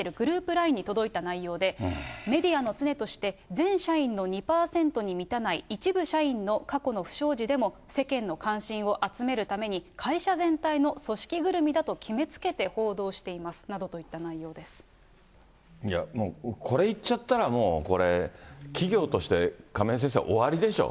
ＬＩＮＥに届いた内容で、メディアの常として、全社員の２％に満たない一部社員の過去の不祥事でも世間の関心を集めるために、会社全体の組織ぐるみだと決めつけて報道していますなどといったいや、もう、これ言っちゃったら、これ、企業として亀井先生、終わりでしょう。